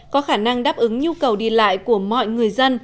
có khả năng đáp ứng nhu cầu đi lại của mọi người dân